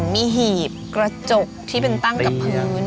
มีหีบกระจกที่เป็นตั้งกับพื้น